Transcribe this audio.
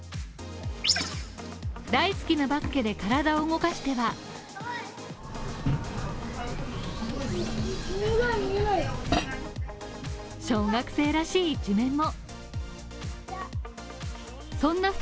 大好きなバスケで体を動かしては小学生らしい一面も。